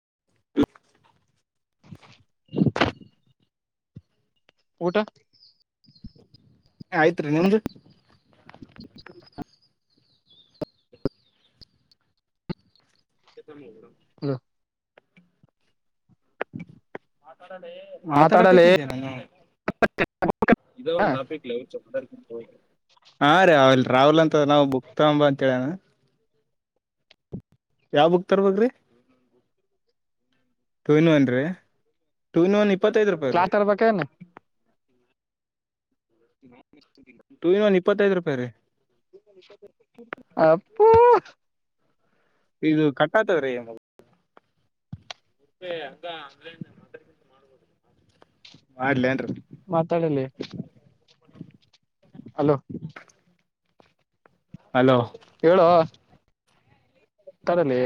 [inaudible] [inaudible] ಊಟ ಆಯ್ತ್ರಿೀ ನಿಮ್ದು ಹ ಮಾತಾಡಕೆಅತಿದ್ಲೇ ನಾನು ಇದ ಒಂದು ಟಾಪಿಕ್ಲೆ ಹಾ ರೀಲ್ ರಾಹುಲ್ ಅಂತ ನಾವು ಬುಕ್ತಂಬ ಅಂತ ಹೇಳಾನ. ಯಾವ್ ಬುಕ್ ತರ ಬೇಕ್ರಿ ಟು ಇನ್ ಒನ್ ರರಿ ಟು ಇನ್ ಒನ್ ಇರಿ [unintelligible] ಕ್ಲಾಸ್ ತಗೋಬೇಕೆನ್ [inaudible] ಟೂ ಇನ್ ಒನ್ ಇಪ್ಪತ್ತೈದು್ ರೂಪಾಯಿ ರೀ ಅಪ್ಪು ಇದು ಕಟ್ಟಾತವ್ರೆ ಮತ್ತೆ ಅ ಆನ್ಲೈನ್ ಮಾಡಗಿಂತ ಮಾಡ್ಬೋದು ಮಾಡ್ಲನ್ರಿ [unintelligible] ತಳ ಹಲೋ [unintelligible] ಹಲೋ ಹೇಳೋ ಮಾತಾಡಲೇ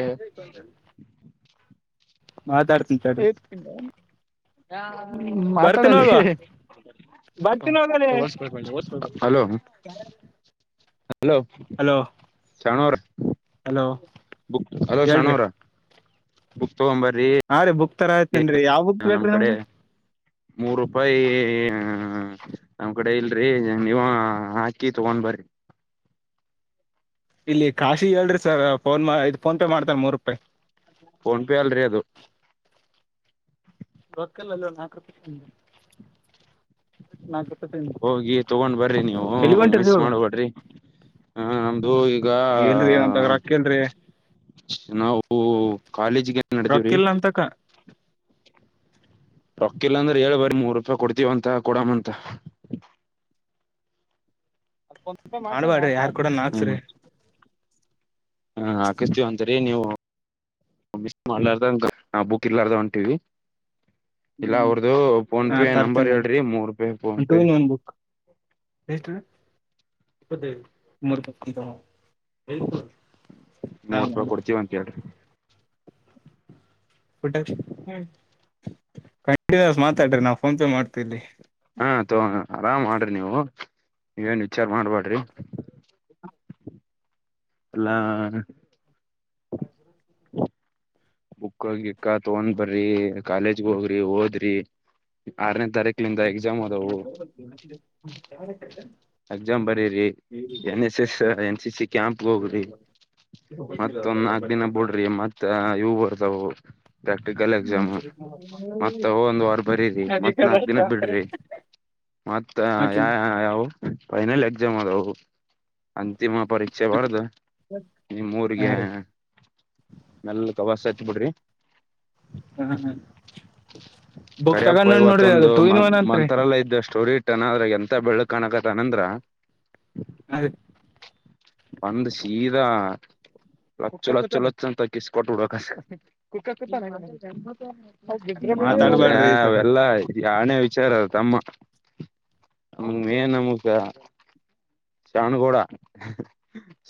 ಮಾತಾಡ್ತಿನ್ ತಡ್ರಿ ಬರ್ತೀನಿ ಮಾತಾಡಲೇ ಹೋಗು ಬರ್ತೀನಿ ಹೋಗಲೇ ವಸ್ [unintelligible] ವಸ್ [unintelligible] ಹಲೋ ಹಲೋ ಹಲೋ ಶರಣು ಅವ್ರೇ ಹಲೋ ಬಕ್ ಹಲೋ ಶಾಣು ಹೇಳ್ರಿ ಅವ್ರೆ ಹಾ ರೀ ಬುಕ್ ತರಕತಿನ್ರಿ ಯಾವ್ ಬುಕ್ ನಮ್ ಬೇಕ್ರೀ ಕಡೆ ನಮ್ಗೆ ಮೂರ್ ರೂಪಾಯಿ ಹ್ಮ್ ಹ್ಮ್ ನಮ್ಮ್ ಕಡೆ ಇಲ್ರಿ ನೀವು ಹಾಕಿ ತಗೊಂಡ್ ಬರಿ [inaudible] ಇಲ್ಲಿ ಕಾಶಿಗ ಹೇಳ್ರಿ ಸರ್ ಫೋನ್ ಇ ಫೋನ್ ಪೇ ಮಾಡ್ತಾರೆ ಮೂರು ರೂಪಾಯಿ ಫೋನ್ ಪೇ ಅಲ್ರಿ ಅದು ರೋಕಲ್ಲಲ್ಲೋ ನಾಲ್ಕ ರಪ ಹೋಗಿ ತಗೊಂಡ್ ಬರ್ರಿ ನೀವು ಎಲ್ಲಿ ಹ ಹೊಂಟಿರಿ ಮಿಸ್ ಇವಾಗ ಮಾಡಬೋಡ್ರಿ ಹ ನಮ್ದು ಈಗ ಇಲ್ರಿ ಅಂತ ರೊಕ್ಕ ಇಲ್ರಿ ನಾವು ಓ ಕಾಲೇಜ್ ಏನ್ ನಡತವ್ರಿ ರೊಕ್ಕ ಇಲ್ಲ ಅಂತಕ ರೊಕ್ಕಿಲ್ಲಾ ಅಂದ್ರೆ ಏಳ್ ಬಾರಿ ಮೂರ್ ರೂಪಾಯಿ ಕೊಡ್ತೀವಂತ ಕೊಡಮ್ಮಂತೆ. ಮಾಡ್ಬಡ್ರಿ ಯಾರ್ ಕೂಡನಾ ಹಾಕ್ಸ್ರಿ ಹಾ ಹಾಕಿಸ್ತೀವಿ ಅಂತರಿ ನೀವು ಮಿಸ್ ಮಾಡಲಾರದಂಗ ಹಬ್ಬಕ್ಕೆ ಇಲ್ಲಾರದ ಒಂಟೀರಿ ಇಲ್ಲ ಅವ್ರದುು ಫೋನ್ ಹಾ ಪೇ ನಂಬರ್ ತರ್ತೇನ ಹೇಳ್ರಿ ಮೂರುೂಪೇ phone two pay in one book [unintelligible] ಹಾ ಮೂವತ್ ರೂಪಾಯಿ ಮಾಡ್ತೀನಿ ಕೊಡ್ತೀವ ಅಂತ ಹೇಳ್ರಿ ಕಂಟಿನ್ಯಸ್ ಮಾತಾಡಿ ನಾವು ಫೋನ್ ಪೇ ಮಾಡ್ತವಿ ಇಲ್ಲಿ ಹಾ ತಕೊ ಆರಾಮ್ ಮಾಡ್ರಿ ನೀವು ನೀವೇನ್ ವಿಚಾರ ಮಾಡ್ಬಾಡ್ರಿ ಎಲ್ಲಾ [inaudible] ಬುಕ್ ಗಿಕ್ಕ ತಗೊಂಡ್ ಬರ್ರಿ ಕಾಲೇಜಿಗೆ ಹೋಗ್ರಿ ಓದ್ರಿ ಆರನೇ ತಾರೀಕಲಿಂದ ಎಕ್ಸಾಮ್ ಅದವು [unintelligible] ಎಕ್ಸಾಮ್ ಬರಿರಿ N S S N C C camp ಹೋಗ್ರಿ ಮತ್ ನಾಕು ದಿನ ಬುಡ್ರಿ ಮತ್ ಇವು ಬರ್ತಾವು ಪ್ರಾಕ್ಟಿಕಲ್ ಎಕ್ಸಾಮ್ ಮತ್ತ ಹೋಗಿ ಒಂದ ವಾರ ಬರೀರಿ ಮತ್ತ ನಾಕ ದಿನ ಬಿಡ್ರಿ. ಮತ್ತ ಯ ಹಾ ಯಾವವು ಫೈನಲ್ ಎಕ್ಸಾಮ್ ಅದಾವು. ಅಂತಿಮ ಪರೀಕ್ಷೆ ಬರೆದು ನಿಮ್ಮ ಊರಿಗೆ, ರೀ ಎಲ್ಲಾ ಹತ್ತು ಬಿಡ್ರಿ ಹ್ಮ ಹ್ ಕರೆಪ್ಪ ಇವತ್ತೊಂದು ಮಂತ್ ಅಂತ್ರಿ ಮಂತ್ರಾಲಯದ ಸ್ಟೋರಿ ಇಟ್ಟಾನ ಅದರಾಗ ಎಂತಾ ಬೆಳಗ ಕಾಣಕಾಂತ ದನಂದ್ರಾ ಬಂದು ಸೀದಾ ಲೊಚ್ಚ ಲೊಚ್ಚ ಲೊಚ್ಚ ಅಂತ ಕಿಸ್ ಕೊಟ್ಟ ಬಿಡಬೇಕ ಅಷ್ಟ. ನಮಗೆ ಮಾತಾಡ್ಬ್ಯಾಡ್ರಿ ಸರ್ ಅವೆಲ್ಲ ಏನೇ ವಿಚಾರ ತಮ್ಮ ನಮಗೆ ಮೇನ್ ಏನ್ ಶಾನೂಗೌಡಾ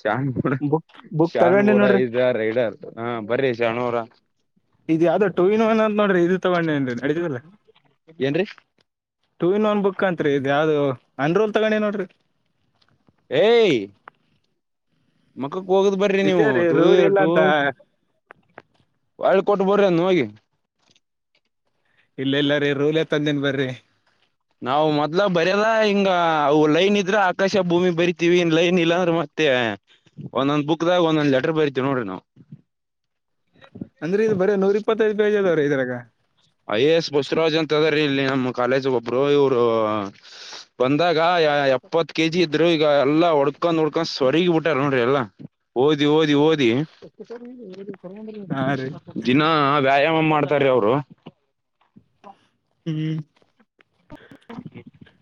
ಶಾನಗೌಡ ಬುಕ್ ಬುಕ್ ತಗೊಂಡಿ ಶಾನಗೌಡ ನೋಡ್ರಿ ಇಜ್ ರೈಡರ್ ಹಾ ಬರಿ ಶಾನು ಅವರ ಇದ ಯಾವ್ದೋ ಟೂ ಇನ್ ಒನ್ ಅಂತ ನೋಡ್ರಿ ಇದು ತಗೊಂಡ ಏನ್ ನೇಡಿತದೆರ ಏನ್ರೀ ಟೂ ಇನ್ ಒನ್ ಬುಕ್ ಅಂತ್ರಿ ಇದ ಯಾವದೊ ಆನರೋಲ್ ತಗೊಂಡಿ ನೋಡ್ರಿ. ಏ ಹೋಗದ್ ಬರ್ರಿ ನಿಜ ನೀವು ರೀ ಟುಯು ರೂಲ್ ಇಲ್ಲ ಟು ಅಂತ ಒಳ್ಳಿ ಕೊಟ್ಟ ಬರ್ರಿ ಅದನ ಹೋಗಿ. ಇಲ್ಲ ಇಲ್ಲರಿ ರೂಲ್ ಹೇ ತಂದಿನಿ ಬರಿ ನಾವ ಮೊದ್ಲ ಬರಿದು ಹಿಂಗ ಲೈನ್ ಇದ್ರೆ ಆಕಾಶ ಭೂಮಿ ಬರಿತೀವಿ ಲೈನ್ ಇಲ್ಲಾಂದ್ರ ಮತ್ ಮತ್ತೆ ಒಂದೊಂದ್ ಬುಕ್ದಾಗ ಒಂದೊಂದ್ ಲೆಟರ್ ಬರಿತೀವಿ ನೋಡ್ರಿ ನಾವು. [inaudible] ಅಂದ್ರೆ ಇದ ಬರೀ ನೂರ್ ಇಪ್ಪತ್ತೈದು ಪೇಜ ಅದಾವರಿ ಇದ್ರಾಗ. ಐ ಎ ಎಸ್ ಬಸವರಾಜ್ ಅಂತ ಅದಾರಿ ಇಲ್ಲೆ ನಮ್ಮ ಕಾಲೇಜ್ ಒಬ್ರು ಇವ್ರು, ಬಂದಾಗ ಎಪ್ಪತ್ ಕೆಜಿ ಇದ್ರು ಈಗ ಎಲ್ಲಾ ಹೊಡ್ಕೊಂಡ ಹೊಡ್ಕೊ, ಸೊರಗಿ ಬಿಟ್ಟಾರ ನೋಡ್ರಿ ಎಲ್ಲಾ ಓದಿ ಓದಿ ಓದಿ ಹಾ ರೀ ದಿನ ವ್ಯಾಯಾಮ ಮಾಡ್ತಾರೇ ಅವರು ಹ್ಮ್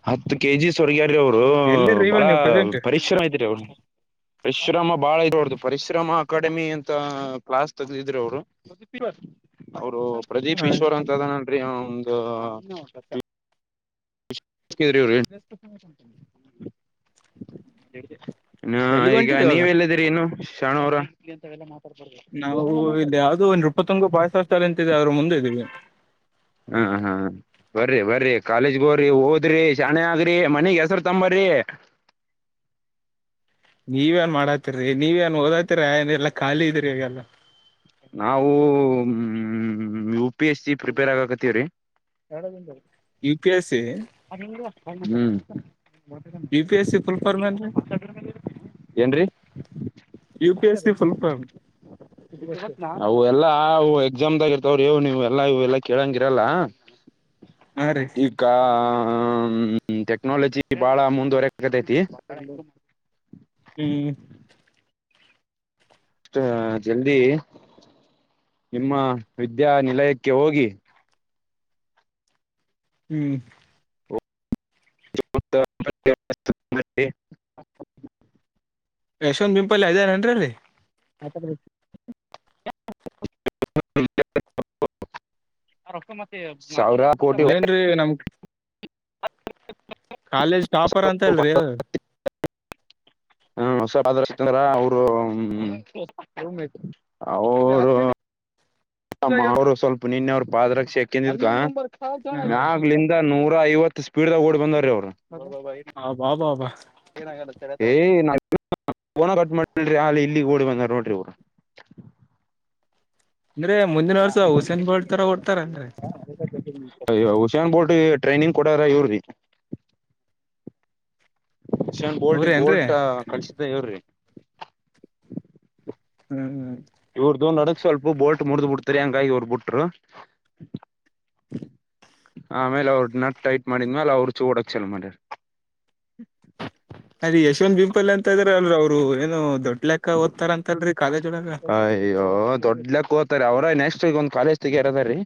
ಹತ್ತು ಕೆಜಿ ಸೊರಗ್ಯಾರ ಅವರು ಎಲ್ಲಿರಿ ಬಾಳ ಇವಾಗ ನೀವು ಪ್ರೆಸೆಂಟ್ ಪರಿಶ್ರಮ ಐತ್ರಿ ಅವರ [inaudible] ಪರಿಶ್ರಮ ಬಾಳ ಇದೆ ಅವರದು ಪರಿಶ್ರಮ ಅಕಾಡೆಮಿ ಅಂತ ಕ್ಲಾಸ್ ತೆಗದಿದ್ರರು ಅವ್ರು. ಅವರು ಪ್ರದೀಪ್ ಈಶ್ವರ್ ಅಂತ ಅದಾನನ್ರಿ ಅವಂದು [unintelligible] ಎಲ್ಲಿಗೆ ಈಗ ಹೊಂಟಿರಿ ಇವಾಗ ನೀವೆಲ್ಲಿ ಇದಿರಿ ಇನ್ನು ಶಾನೂ ಅವ್ರೆ ನಾವು ಇಲ್ಲಿ ಯಾವ್ದೋ ಒಂದ ನೃಪತುಂಗ ಬಾಯಸ ಹ್ವಾಸ್ಟೆಲ ಅಂತಿದೆ ಅದರ ಮುಂದೆ ಇದೀವಿ. ಹಾ ಹಾ ಬರಿ ಬರಿ ಕಾಲೇಜಗ್ ಹೋಗ್ರಿ ಓದ್ರಿ ಶಾಣೆ ಆಗ್ರಿ ಮನಿಗ್ ಹೆಸರ ತಗೊಂಡ ಬರಿ. ಎ [inaudible] ನೀವೇನ್ ಮಾಡಾತಿರಿ ನೀವೇನ್ ಓದತಿರೆ ಏನ್ ಇಲ್ಲಾ ಖಾಲಿ ಇದಿರ ಈಗೆಲ್ಲ. ನಾವು ಹ್ಮ U P S C prepare ಆಗಕ ಹತ್ತಿವಿ ರಿ ಎರಡು ದಿಂದು ಯು ಪಿ ಎಸ್ ಸಿ ಹ್ಮ್ ಯು ಪಿಎಸ್ ಸಿ ಫುಲ್ಲಫಾರ್ಮ್ ಎನ್ರಿ? ಏನ್ರೀ U P S C full form? ಬರತ್ ನಾ ಅವು ಎಲ್ಲಾ ಅವು ಎಕ್ಸಾಮ್ದಾಗ ಇರತವರಿ ನೀವು ಎಲ್ಲಾ ಇವು ಎಲ್ಲಾ ಕೇಳಂಗಿರಲ್ಲ. ಹಾ ರೀ ಈ ಕಾ ಹ್ಮ್ ಟೆಕ್ನಾಲಜಿ ಬಾಳ ಮುಂದುವರ್ಯಾಕತೈತಿ. ಹ್ಮ್ ಟ ಜಲ್ದಿ ನಿಮ್ಮ ವಿದ್ಯಾನಿಲಯಕ್ಕೆ ಹೋಗಿ ಹ್ಮ್ [inaudible] ಯಶವಂತ್ ಬಿಂಪಲ್ಲಿ ಐದಾರೇನ್ರಿ [inaudible] [inaudible] ರೊಕ್ಕ ಮತಿ ಸಾವಿರ ಕೋಟಿ ಏನ್ರಿ ನಮ್ ಕಾಲೇಜ್ ಟಾಪರ್ ಅಂತ ಅಲ್ರಿ ಹ್ಮ್ ಹೊಸ ಕಾಲೇಜ್ ಸೇರಿಖಂಡರ ಅವ್ರು. ಅವ್ರು ಅವರು ಸ್ವಲ್ಪ ನಿನ್ನೆವರು ಪಾದರಕ್ಷೆಕಿ [unintelligible] ನೊರಾ ಐವತ್ತು ಸ್ಪೀಡ್ ದಾಗ ಓಡ್ ಬಂದಾರ್ರ ಅವರು ಅಬಾ ಬಾಬಾ ಏಯ್ ನಾ ಫೋನ [unintelligible] ಮಾಡ್ಲಿ ಅಲ್ಲಿ ಇಲ್ಲಿ ಓಡಿ ಬಂದಾರ ನೋಡ್ರಿ ಇವ್ರು ಅಂದ್ರೆ ಮುಂದಿನ ವರ್ಷ ಹುಸೇನ್ ಬೋಲ್ಟ್ ತರ ಹೋಡ್ ತರ ಅಂದ್ರೆ ಹುಶ್ಯನ್ ಬೋರ್ಟ್ ಟ್ರೈನಿಂಗ್ ಕೊಟ್ಟೂರು ಯುವ್ರಿ ಯಕ್ಷನ್ ಬೋಲ್ಟ್ ಈಗ್ ಅವ್ರೇನ್ರಿ ಬೋಲ್ಟ್ ಕಳಸಿದ್ದ ಇವ್ರಿ ಹ್ಮ ಹ್ಮ ಇವ್ರ್ದ ನಡಕ್ ಸ್ವಲ್ಪ ಬೋಲ್ಟ್ ಮುಡ್ದ್ ಬಿಡ್ತರಿ ಹಂಗಾಗಿ ಇವ್ರ ಬಿಟ್ರು ಆಮೇಲೆ ಅವರು ನಟ್ ಟೈಟ್ ಮಾಡಿದ್ಮ್ಯಾಲ ಅವರು ಚೂಡಕ್ ಹಚ್ಚ ಮಾಡಿಯ ಅದ ಯಶವಂತ್ ಬಿಪಲ್ ಅಂತ ಇದ್ರ ಅಲ್ರ ಅವರು ಏನು ದೊಡ್ಲೆಕ್ಕ ಓದ್ತಾರ ಅಂತಲ್ರರಿ ಕಾಲೇಜ್ ಒಳಗ ಅಯ್ಯೋ ದೊಡ್ಲಕ್ಕ ಹೋತಾರೆ ಅವ್ರ ನೆಕ್ಸ್ಟ್ ಈಗ ಒಂದ್ ಕಾಲೇಜ್ ತೇಗಿಯಾರ್ ಅದರ್ ರೀ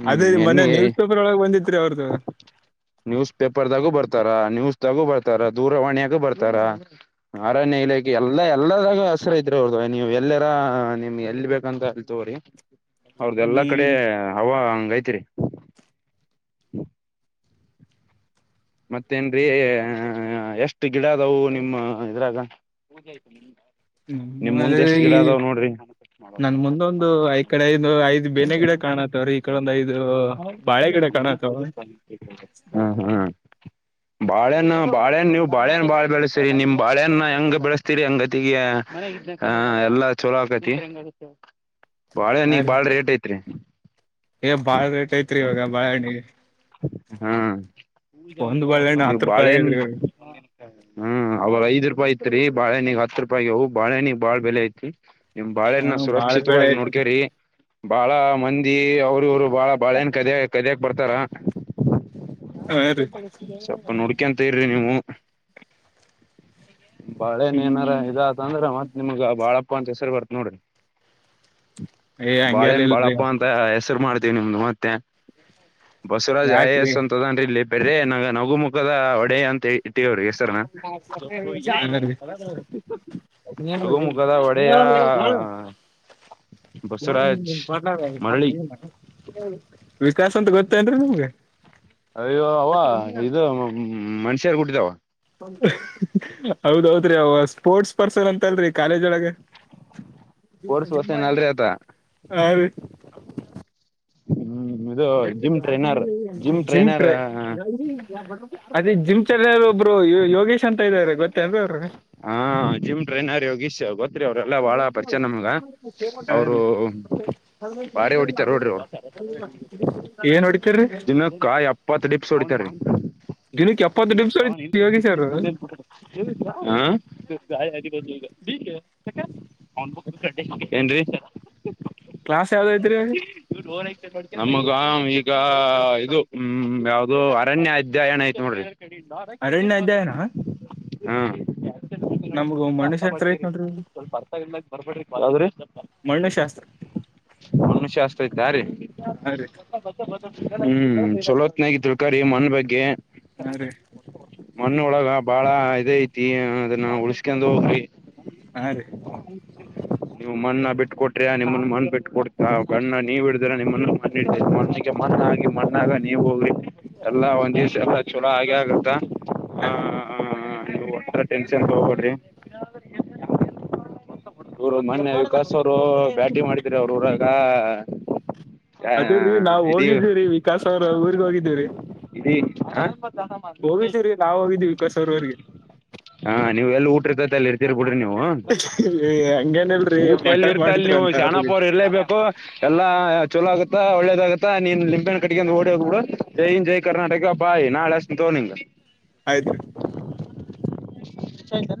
ಹ್ಮ್ ಅದೇ ರೀ ಮೊನ್ನೆ ನೆನ್ನೆ ನ್ಯೂಸ್ ಪೇಪರ್ ಒಳಗ್ ಬಂದಿತ್ರಿ ಅವ್ರದು ನ್ಯೂಸ್ ಪೇಪರ್ದಾಗೂ ಬರ್ತ ಬರ್ತಾರ ನ್ಯೂಸ್ ತಾಗೂ ಬರ್ತಾರ ದೂರವಾಣಿಯಾಗು ಬರ್ತಾರ ಅರಣ್ಯ ಇಲಾಖೆ ಎಲ್ಲಾ ಎಲ್ಲಾದಾಗ ಹಸ್ರಿದ್ರು ಅವರ್ದ್ ನೀವ್ ಎಲ್ಲರಾ ನಿಮ್ಗೆ ಎಲ್ ಬೇಕ ಅಂತ ತಕೋರಿ ಅವ್ರ್ದ ಎಲ್ಲಾ ಕಡೆ ಹ್ಮ್ ಹವ ಹಂಗ ಗೈತ್ರಿ ಮತ್ತೇನ್ರೀ ಎಷ್ಟ್ ಗಿಡ ಅದವು ನಿಮ್ಮ ಇದ್ರಾಗ ಪೂಜೆ ಆಯಿತ್ರಿ ನಮ್ಮಲ್ಲಿ ಈ ನನ್ ಮುಂದೊಂದು ಈ ಕಡೆ ಐದು ಐದ್ ಬೇನೆ ಗಿಡ ಕಾಣತ್ತವ್ರೀ ಈ ಕಡೆ ಒಂದು ಐದು ಬಾಳೆ ಗಿಡಾ ಹಾ ಹಾ ಬಾಳೆಹಣ್ಣು ಬಾಳೆಹಣ್ ನೀವು ಬಾಳೆಹಣ್ ಬಾಳೆ ಬೆಳೆಸ್ತರಿ ನಿಮ್ ಬಾಳೆಹಣ್ ಹೆಂಗ್ ಬೆಳೆಸ್ತೀರಿ ಹಂಗತಿಗೆ ಎಲ್ಲಾ ಚೋಲೋ ಆ ಹಾ ಬಾಳೆಹಣ್ಣಿಗ್ ರೀ ಬಾಳ ರೇಟ್ ಐತ್ರಿ ಏ ಬಾಳ ರೇಟ್ ಐತ್ರಿ ಇವಾಗ ಬಾಳಹಣ್ಣಿಗೆ ಹಾ ಬಾಳೆಹಣ್ಣು ನೀ ಹತ್ತು ರೂಪಾಯಿ ಬಾಳೆನ್ ಆಗೇದ್ರಿ ಹ್ಮ್ ಅವ್ರ ಐದ್ ರೂಪಾಯಿ ಐತ್ರಿ ಬಾಳೆನಗ್ ಹತ್ ರೂಪಾಯಗವು ಬಾಳೆಣ್ಣಿಗ್ ಬಾಳ ಬೆಲೆ ಐತಿ ನಿಮ್ ಹ ಬಾಳೆನ ಬಾಳ ಬೆಳೆ ಸುರಕ್ಷಿತವಾಗಿ ಐತ್ರಿ ನೋಡ್ಕೇರಿ ಬಾಳ ಮಂದಿ ಅವ್ರ ಇವ್ರು ಬಾಳ ಬಾಳ ನ್ ಕದ್ಯ ಕದಕ್ ಬರ್ತಾರ ಹಾ ರೀ ಸ್ವಪ ನುಡ್ಕಂತ ಇರ್ರಿ ನೀವು ಬಾಳೆನ್ ಏನಾರ ಇದ ಅಂದ್ರೆ ಮತ್ ನಿಮ್ಗ ಬಾಳಪ್ಪ ಅಂತ ಹೆಸರು ಬರ್ತ್ ನೋಡ್ರಿ ಏ ಹಂಗೆಲ್ಲ ಬಾಳೇನ್ ಇಲ್ರಿ ಬಾಳಪ್ಪ ಅಂತ ಹೆಸರು ಮಾಡ್ತ ನಿಮ್ದು ಮತ್ತೆ ಬಸವರಾಜ್ ಯ ಯಾಕ್ರಿ ಎಸ್ ಅಂತದೀ ಲೇಟ್ ಬೇರೆ ನ ನಗು ಮುಖದ ಒಡೆ ಅಂತ ಇಟ್ಟೀವ್ರಿಗೆ ಹಾ ರೀ ನಗುಮುಖದ ಒಡೆಯ [inaudible] ಯ ಬಸವರಾಜ್ ಬಾವರ್ ಮಾಡ [inaudible] ಮರಳಿ [unintelligible] ವಿಕಾಸ ಅಂತ ಗೊತ್ತೇನ್ರಿ ನಮ್ಗೆ ಅಯ್ಯೋ ಅವ ಇದು ಮನ್ಷ್ಯರ್ ಹುಟ್ಟಿದವ ಹೌದೌದ್ರಿ ಅವ ಸ್ಪೋರ್ಟ್ಸ್ ಪರ್ಸನ್ ಅಂತ ಅಲ್ರಿ ಕಾಲೇಜ್ ಒಳಗೆ ಜ ಕೋರ್ಸ್ ಜಿಮಂಬ ಹೊಸೇನ್ ಅಲ್ರಿ ಆತ ಹ [inaudible] ಹ್ಮ್ ಇದು ಜಿಮ್ ಟ್ರೈನರ್ ಜಿಮ್ ಟ್ರೈನರ್ ಟ ಅದೇ ಜಿಮ್ ಚೆಲ ಒಬ್ರು ಯೋಗೇಶ್ ಅಂತ ಇದಾರೆ ಗೊತ್ತೇಲ್ ಅವರು ಹಾ ಜಿಮ್ ಟ್ರೈನರ್ ಯೋಗೀಶ್ ಗೊತ್ತಿ ಅವ್ರಲ್ಲಾ ಬಹಳ ಪರಿಚಯ ನಮ್ಗ ಅವರು ಹ ಬಾರಿ ಹೊಡಿತಾರ ನೋಡ್ರಿ ಅವ್ರು [unintelligible] ಏನ್ ಹೊಡಿತರಿ ದಿನಕ್ಕ ಹೇಳಿ ಯೋಗೇಶ್ ಅವರು [unintelligible] ಗ ಅಿ ಬಏ [unintelligible] ಕ್ಲಾಸ್ ಯಾವ್ದ ಐತ್ರಿೀ ನಮಗ ಈಗ ಇದು ಹ್ಮ ಯಾವ್ದ ಅರಣ್ಯ ಅಧ್ಯಾಯನ ಐ್ತ್ ನೋಡ್ರಿ ನಡಕ್ಕೆ ಅರಣ್ಯ ಅಧ್ಯಯನ [inaudible] ನಮ್ಗ ಅಂದ್ರ ಅರ್ಥ ಮಣ್ಣುಶಾಸ್ತ್ರ ಐತ್ ಮಾಡ್ಕೇರಿ ನೋಡ್ರಿ ಇವಾಗ. ಸ್ವಲ್ಪ ಅರ್ಥ ಇಲ್ದಕ್ ಬರ್ಬೇಡ್ರಿ ಬದದ್ರ ಮಣ್ಣುಶಾಸ್ತ್ರ ಮನುಷ್ಯಸ್ತ ಇದ್ದ ರೀ ಹಾ ರೀ ಹ್ಮ್ ಚಲೋತ್ನಗ ತಿಳ್ಕಾರಿರಿ ಮನ್ ಬಗ್ಗೆ ಹಾ ರೀ ಮಣ್ಣ ಒಳಗ ಬಾಳ ಇದ ಐತಿ ಅದನ್ನ ಉಳಸ್ಕೊಂಡ್ ಹೋಗ್ರಿ ಹಾ ರೀ ಬಿ ಕೊಟ್ರಿ ನಿಮ್ಮನ್ನು ಮ ಬಿಟ್ಟ ಕೊಡ್ತಾ ಗಣ್ಣ ನೀವ ಹಡಿದ್ರ ನಿಮ್ಮನ್ನು ಮ ಮನುಷಕ್ಕೆ ಮಣ್ಣ ಆಗಿ ಮಣ್ಣಾಗ ನೀವ್ ಹೋಗ್ರಿ ಎಲ್ಲಾ ಒಂದ್ಿವ್ಸ ಎಲ್ಲ [unintelligible] ಚಲೋ ಹಾಗೆ ಆಗುತ್ತಾ ಹ ಹ್ಮ ನೀವು ಒರ ಟೆನ್ಷನ್ ತಗಕೊಡ್ರಿ ಟ್ [inaudible] ರ ಮನೆ ವಿಕಾಸ್ ಅವರು ಬ್ಯಾಟಿಂಗ್ ಮಾಡಿದರಿ ಅವ್ರ ಊರಾಗ ಆ ಅದೇ್ರೀ ನಾವ್ ಇಡೀ ಹೋಗಿದ್ದೀವಿ್ರೀ ವಿಕಾಸ್ ಅವ್ರ ಊರ್ಗ್ ಹೋಗಿದ್ದೀವ್ರಿ ಇಡೀ ಹ ಹೋಗಿದೀವ್ರೀ ನಾವ್ ಹೋಗಿದ್ದೀವಿ ವಿಕಾಸ್ ಅವ್ರವ್ರಿಗೆ ಹಾ ನೀವು್ ಎಲ್ಲ ಊಟ್ರ ಕತೆ ಎಲ್ಲಿ ಇರ್ತೀರಿ ಕೂಡ್ರಿ ನೀವು ಏ, ಹಂಗೇನಿಲ್ರಿ ಊಟ ಎಲ್ಲಿ ಮಟನ್ ಇರ್ತಲ್ ಮಾಡಿದ್ರು ನೀವು ಅಂತ ಶಾಣಾಪುರ್ ಹೋಗಿದ್ವಿ ಇರ್ಲೇಬೇಕು ಎಲ್ಲಾ ಚಲ ಆುತ್ತತ್ತ ಒಳ್ಳೇದಾಗುತ್ತಾ ನೀನ್ ಲಿಂಬೆನ್ ಕಟ್ಟಿಗೆಂದು ಓಡಿ ಹೋಗ್ಬಿಡು ಜೈನ್ ಜೈ ಕರ್ನಾಟಕ ಬಾಯ್ ನಾಳೆ ಅಷ್ಟು ತೋ ನಿಿಂಗ ಆಯ್ತ್ರಿರಿ [unintelligible] ಚಂದಲ್ಲ